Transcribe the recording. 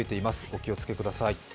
お気をつけください。